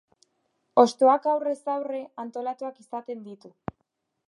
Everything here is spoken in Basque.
Hostoak aurrez aurre antolatuak izaten ditu.